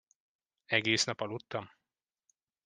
Egész nap aludtam?